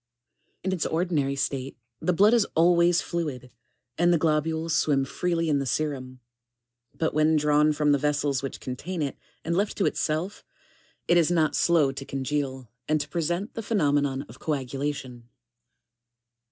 ] 27. In its ordinary state, the blood is always fluid, and the globules swim freely in the serum ; but when drawn from the vessels which contain it, and left to itself, it is not slow to con geal, and to present the phenomenon of coagulation.